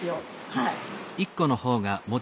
はい。